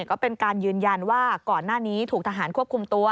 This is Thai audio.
ก็เป็นการยืนยันว่าก่อนหน้านี้ถูกทหารควบคุมตัว